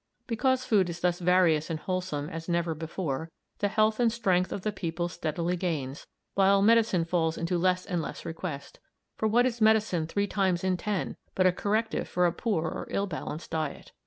Because food is thus various and wholesome as never before, the health and strength of the people steadily gains, while medicine falls into less and less request; for what is medicine three times in ten but a corrective for a poor or ill balanced diet?